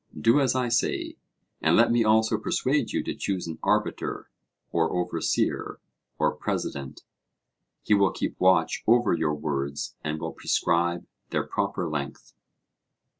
Do as I say. And let me also persuade you to choose an arbiter or overseer or president; he will keep watch over your words and will prescribe their proper length.